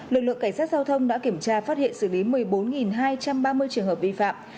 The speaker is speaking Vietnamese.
lực lượng cảnh sát giao thông đã kiểm tra phát hiện xử lý một mươi bốn hai trăm ba mươi trường hợp vi phạm